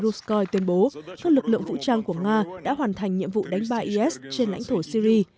ruscoin tuyên bố các lực lượng vũ trang của nga đã hoàn thành nhiệm vụ đánh ba is trên lãnh thổ syri